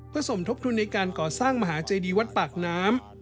เพื่อสมทบทุนในการก่อสร้างมหาเจดีวัดปากน้ำ